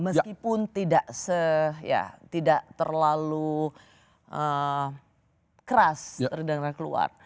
meskipun tidak terlalu keras dan keluar